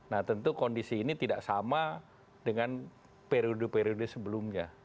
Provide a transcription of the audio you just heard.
nah tentu kondisi ini tidak sama dengan periode periode sebelumnya